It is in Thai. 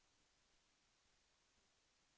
แสวได้ไงของเราก็เชียนนักอยู่ค่ะเป็นผู้ร่วมงานที่ดีมาก